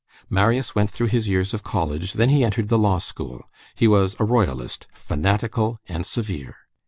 Marius went through his years of college, then he entered the law school. He was a Royalist, fanatical and severe.